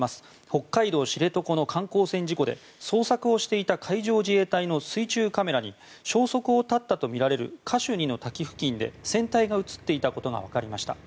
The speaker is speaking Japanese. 北海道知床の観光船事故で捜索をしていた海上自衛隊の水中カメラに消息を絶ったとみられるカシュニの滝付近で船体が映っていたことが分かりました。